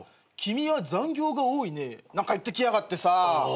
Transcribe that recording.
「君は残業が多いね」なんか言ってきやがってさ。